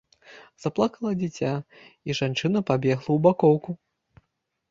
Заплакала дзіця, і жанчына пабегла ў бакоўку.